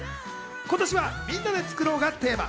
今年は「みんなで作ろう！」がテーマ。